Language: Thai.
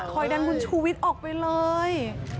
คอยดันโวลด์ชูฟิตต์ออกไปเลย